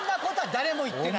誰も言ってない。